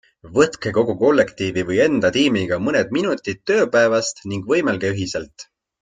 Võtke kogu kollektiivi või enda tiimiga mõned minutid tööpäevast ning võimelge ühiselt.